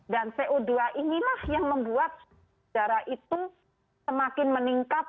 dan co dua inilah yang membuat suhu udara itu semakin meningkat